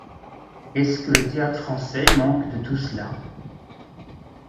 Est-ce que le Théâtre-Français manque de tout cela ?